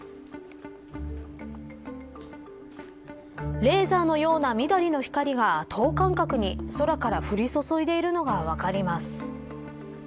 レーザーのような緑の光が等間隔に空から降り注いでいるのが分かります。